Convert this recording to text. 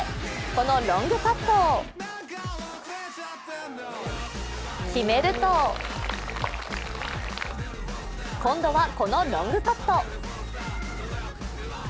このロングパットを決めると今度はこのロングパット。